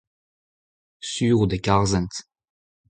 sur out e karzent.